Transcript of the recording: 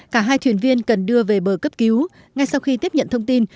cả hai thuyền viên cần đưa về bờ cấp cứu ngay sau khi tiếp nhận thông tin